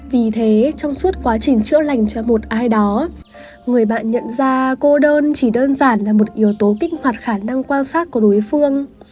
vì thế trong suốt quá trình chữa lành cho một ai đó người bạn nhận ra cô đơn chỉ đơn giản là một yếu tố kích hoạt khả năng quan sát của đối phương